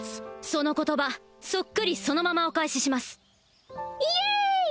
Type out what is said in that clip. その言葉そっくりそのままお返ししますイエーイ！